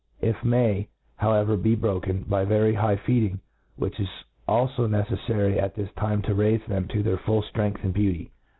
It may, however, te broken, by very high feed ^ ing, which is alfo neceflary at this time to raifc them to their full ftrength and beauty.